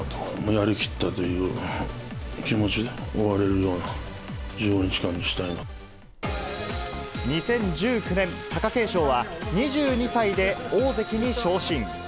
やりきったという気持ちで、終われるような１５日間にしたい２０１９年、貴景勝は２２歳で大関に昇進。